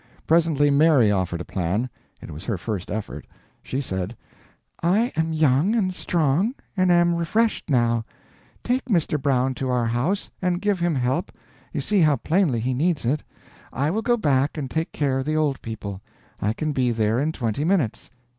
Presently Mary offered a plan; it was her first effort. She said: "I am young and strong, and am refreshed, now. Take Mr. Brown to our house, and give him help you see how plainly he needs it. I will go back and take care of the Old People; I can be there in twenty minutes.